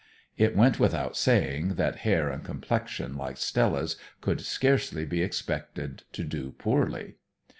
It went without saying that hair and complexion like Stella's could scarcely be expected to do poorly.